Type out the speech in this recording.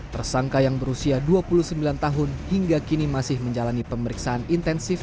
tersangka yang berusia dua puluh sembilan tahun hingga kini masih menjalani pemeriksaan intensif